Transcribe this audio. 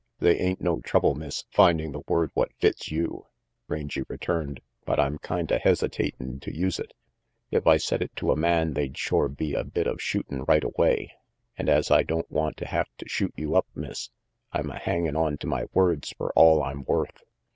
"They ain't no trouble, Miss, finding the word what fits you," Rangy returned, "but I'm kinda hesitatin' to use it. If I said it to a man, they'd shore be a bit of shootin' right away, an' as I don't wanta have to shoot you up, Miss, I'm a hangin' onto my words fer all I'm worth.